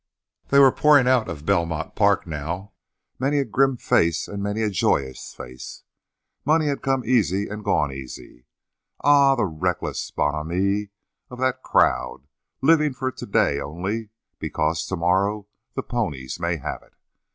They were pouring out of Belmont Park, now, many a grim face and many a joyous face. Money had come easy and gone easy. Ah, the reckless bonhomie of that crowd, living for to day only, because "to morrow the ponies may have it!"